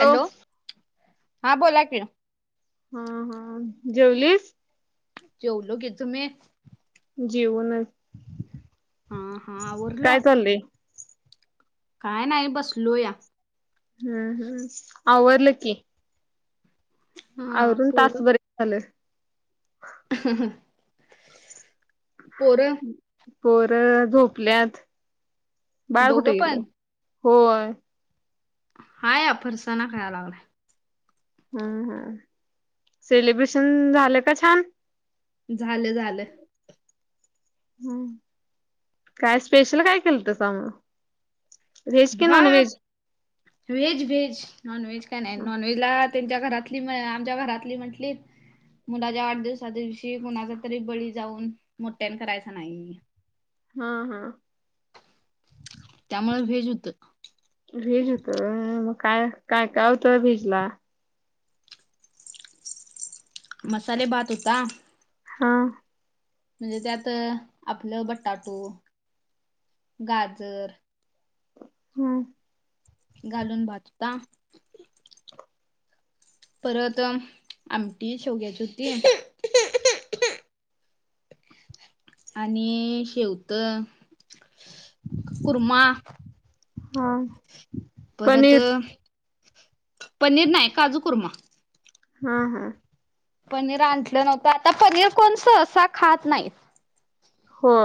Hello हा बोला कि हा हा जेवलीस जेवलो घ य तु मी जीवनच हा हा उरलं काय नाही बस लो या हम्म हम्म आवररलं की हा अवून तास बरे झालं पोर पोर झोपल्यात बाळ कुठे दोघं गेल पण होय हा या फरसना खा लागला हम्म हम् सेलिब्रेशन झालं का छान झालं झालं हम्म काय स्पेशल काय केलं त समळ भात [inaudible] व्हेज व्हेज नॉन व्हेज काय नाही नॉन व्हेज ला त्यांच्या घरातली आमच्या घरातली म्हंटली मुलाच्या आठ दिवसा दिवशी कुणाचा तरी बळी जाऊन मोठ्यान करायचा नाही हा हा त्यामुळे भेज होत भीज होत मग काय काय काय होतं भीज ला मसाले भात होता हा म्हणजे त्यात आपलं बटाटो गाजर हम्म घालून भाजता परत आमटी शेवग्याची होती आणि शेवत कुर्मा हा परत पनीर पनीर नाही काजू कुरमा हा हा पनीर आणलं नव्हतं आता पनीर कोण सहसा असं खात नाहीत हो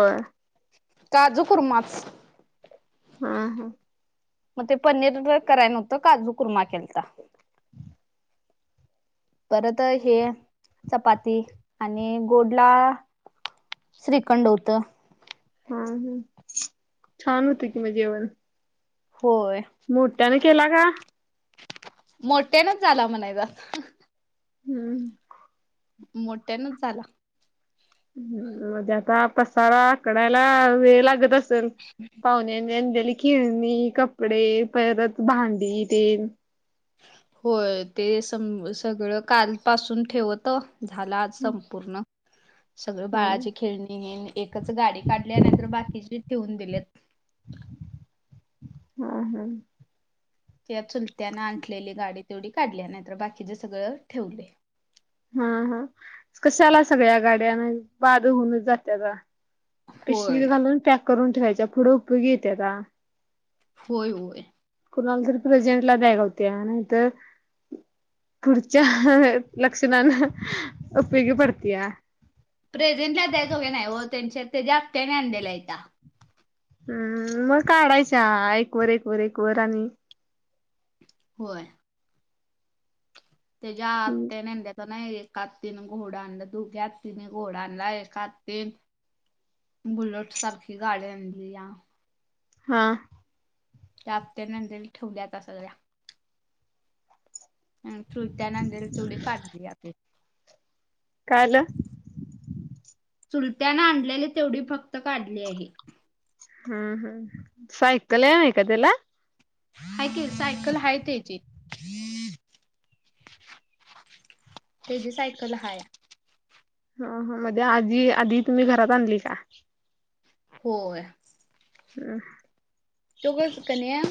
काजु कुर्माच हा हा मग ते पनीर कराय नवतं काजू कुरमा केलता हम् परत हे चपाती आणि गोडला श्रीखंड होत हम हम छान होते कि म जेवण होय मोठ्याने केला का मोठ्यानच झाला म्हणाय ज हम्म मोठ्यानच झाला ह् मजे आता पसारा कढायला वेळ लागतच पाहुण्या त्याली खेळणी कपडे परत भांडी ते होय ते स सगळं काल पासून ठेवत झाला आज संपूर्ण सगळ हम्म बाळाची खेळणी घेणे एकच गाडी काढली नाहीतर बाकीचे ठेवून दिलेत हम् हम् कि चुलत्या ना आणलेली गाडी तेवढी काढल्या नाही तर बाकीचे सगळं ठेवले हा हा कशा आला सगळ्या गाड्याना बाद होऊनच जात्याता पिशवी होय. घालून पॅक करून ठेवायच्या पुढं उपयोगी येते का होय होय कुणाला तरी प्रेझेंटला द्या का होत्या नाहीतर पुढच्या लक्षणाान उपयोग पडतया प्रेझेंटला जा सोघ नाही व त्यांच्या त्याच्या्या आत्याने आणडे लायता हम्म.. म काढायच्या एक वर एक वर एक वर आणि होय. तेच्या आतेने नेनद्यात नाही. एकात तीन घोडां आणला दोघ्या तिन घोडा आणलाय एकात तीन बुलट सारखी गाडी आणली या. हा. आत्या न आणल्या ठेवल्याता सगळ्या चुलत्या न आणलेली तेवढी काढल्या कायल चुलत्यान आणलेले तेवढी फक्त काढली आहे हम् हम् सायकल आहेम आहे का त्याला क सायकल ह त्याची [inaudible] तेची सायकल हाये. हो मध्ये आजी आधी तुम्ही घरात आणली का? होय. ह.. तोगस कण्या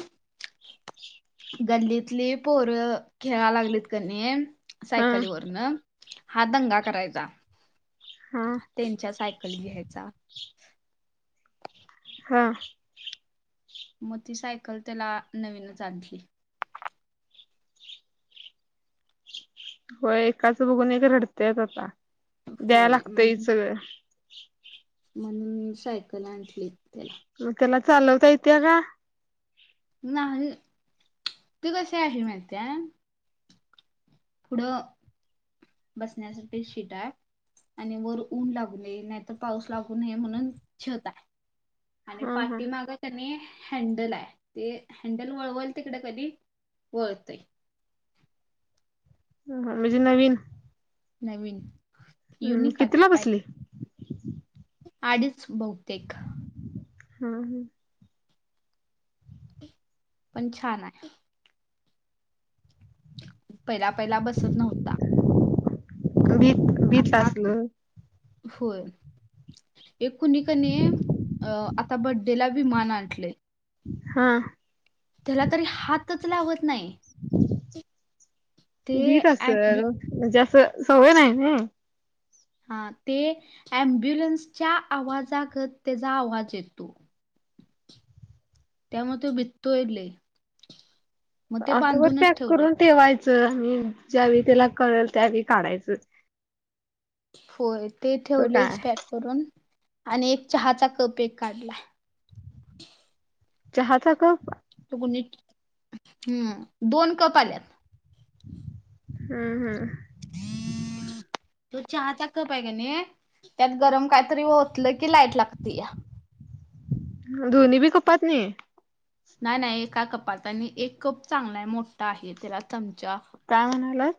गल्लीतली पोरं खेळा लागलीत कनी हा सायकलीवरनं. हा दंगा करायचा. हा त्यांच्या सायकली घ्यायचा. हां. म ती सायकल त्याला नवीनच आणली. हो.. एकाचं बघून एक रडतेय आता द्याय होय म्हण लागतय सगळं. म्हणून सायकल आणली त्याला. म त्याला चालवता येतिय का? नाही. तू कसे आशे म्हनत्या? पुढं.. बसण्यासाठी शिटआय आणि वर ऊन लागू नये नाहीतर पाऊस लागू नये म्हणून छत आय. आणि ह ह पाठी मागत त्याने हँडल आए. ते हँडल वळवळ तिकडे कधी वळतंय. म्हणजे नवीन, नवीन हम् युनिक आली कितीला बसली? पाहिजे आडीच बहुतेक. हा. पण छान आय. पहिला पहिला बसत नव्हता. भी आत्ता? होय. एक कुणी कणी अ आता बड्डेला बी मान आणटलेय. हा. त्याला तरी हातच लावत नाही. ते भीत ॲम्ब्यु असल. म्हणजे आसं सवय नाई ना. हा ते अम्ब्युलन्सच्या आवाजागत त्याचा आवाज येतो. [inaudible] त्या मुळं तो बीतो इले आथवर पॅक करून ठेवायचं आणि ज्यावेळी त्याला कळल त्यावेळी काढायचं. होय. ते काय ठेवलेच पॅक करून आणि एक चहाचा कप एक काढलाय. चहा चा कप? कुणीत हम्म.. दोन कप आल्यात. हम् हम्. तो चहा चा कप आए का नाई, त्यात गरम कायतरी ओतलं की लाईट लागतीया. दोनी बी कपातनी नाही नाही एका कपात आणि एक कप चांगला आहे मोठा आहे त्याला चमचा काय म्हणालात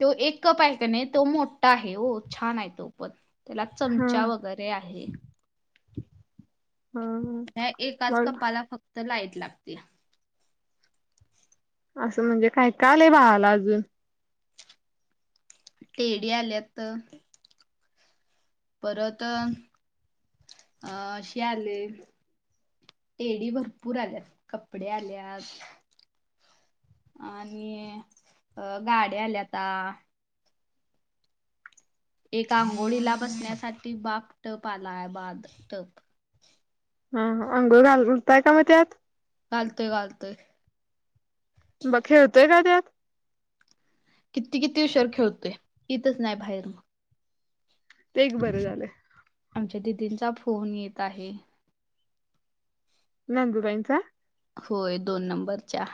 तो एक कप आहे का नाही तो मोठा आहे हो छान आहे तो पण त्याला हा चमचा वगैरे आहे हा हा. ह एकाच मग कपाला फक्त लाईट लागत्या आसं म्हणजे काय कालेय बाहाला अजून टेडी आल्याच परतं, अ अशे आले टेडी भरपूर आल्यात. कपडे आल्यात. आणि अ.. गाड्या आल्याता. एक आंघोळीला बसण्यासाठी बाप टप आला बाद टप. हा हा अंंघोळ घालताय का मग त्यात घालतोय घालतोय बघ खेळतोय का त्यात किती किती उषर खेळतोय येतच नाही बाहेर मग ते एक बरं झाल आमच्या दिदींचा फोन येत आहे नंदू बईंचा होय दोन नंबरच्या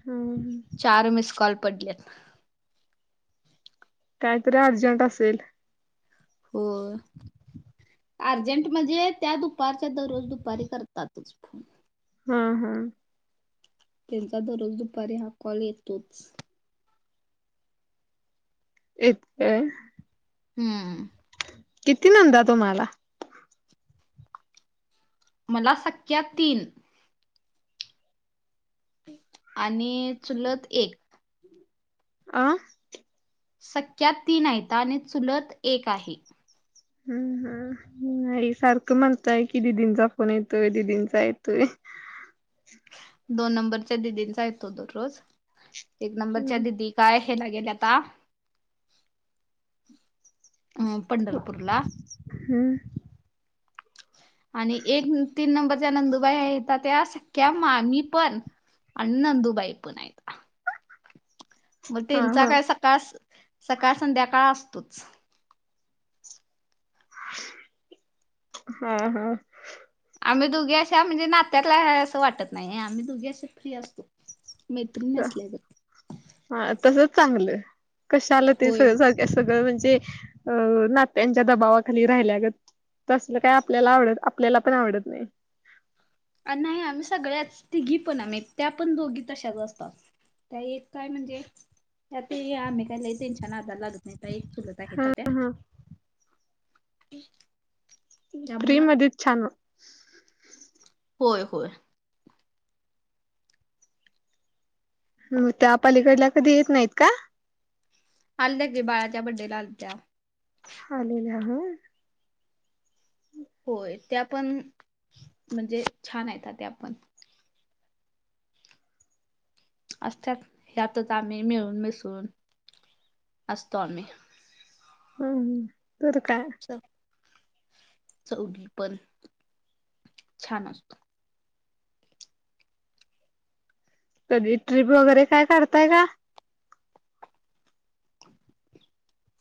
हम् चार मिस कॉल पडलेत कायतरी अर्जंट असेल होय अर्जंट म्हणजे त्या दुपारच्या दररोज दुपारी करतातच फोन हा हम त्यांचा दररोज दुपारी हा कॉल येतोच इतकय हम्म किती नंदा तुम्हाला मला सख्या तीन आणि चुलत एक आं सख्या तीन हायता आणि चुलत एक आहे हम्म हम् नाही सारखं म्हणताय की दिदींचा फोन येतोय दीदींचा येतोय दोन नंबरच्या दिदींचा येतो दररोज एक नंबरच्या हम्म दिदी काय हेला गेल्याता अ पंढरपूर ला हम्म आणि एक तीन नंबर ज्या नंदुबाई आहेत त्या सख्या मामी पण आणि नंदुबाई पण आहेत मग हा त्यांचा हा काय सकाळ सकाळ संध्याकाळ असतोच हा हा आम्ही दोघी अशा म्हणजे नात्यातल्या हाय असं वाटत नाही आम्ही दोघी अशा फ्री असतो मैत्रीण असल्या गत हा तसच चांगलं कशाला ते स होय हो सगळ - सगळं म्हणजे अ नात्यांच्या दबावाखाली राहिल्यागत तसलं काय आपल्याला आवडत आपल्याला पण आवडत नाही अ नाही आम्ही सगळ्याच तिघी पण आम्ही त्या पण दोघी तशाच असतात त्या एक काय म्हणजे ह्या त्या लई काय त्यांच्या नादाला लागत नई हायत्या एक चुलत हायत्या त्या ह प्रिम अ दिित छान [unintelligible] होय होय त्यापालीकडला कधी येत नाहीत का आलल्यारी बाळा त्या बड्डेला आलत हालेल्या ह होय त्यापण म्हणजे छान आहेत्या त्या पण असत्यात ह्यातच आम्ही मिळून मिसळून असतो आम्ही हम् ह तर काय चौली पण छान असत कधी ट्रीिप वगैरे काय करताय का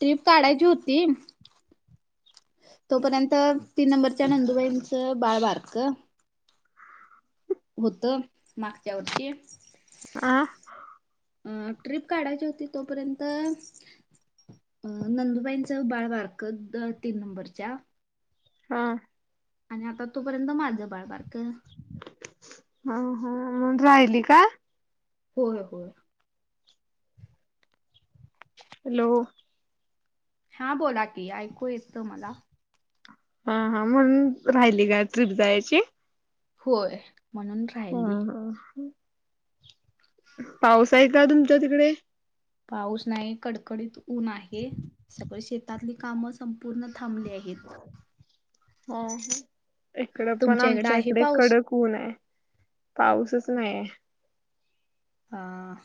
ट्रिप काढायची होती तोपर्यंत तीन नंबरच्या नंदुबाईंचं बाळबार्क होत मागच्या वरती अं अ ट्रिप काढायची होती तोपर्यंत अ नंदुबाईंचं बाळ वारक तीन नंबरच्या हा आणि आता तोपर्यंत माझं बाळबारक ह हा मग राहिली का होय होय हॅलो हां बोला की ऐकू येत त मला हा हा म्हणून राहिली का ट्र्रीप जायची होय म्हणून हा राहिली ह पाऊस आहे का तुमच्या तिकडे पाऊस नाही कडकडीत ऊन आहे सगळी शेतातली कामच संपूर्ण थांबले आहेत ह इकड पण तुमच्या इकडं आमच्या आहे इकडे पाऊस? कडक खण आहे पाऊसच नाहीय हं